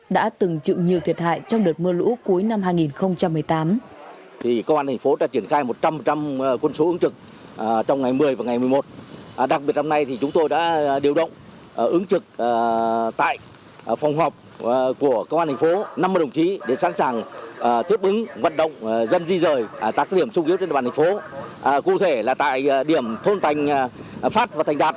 đã từng chịu nhiều thiệt hại trong đợt mưa lũ cuối năm hai nghìn một mươi tám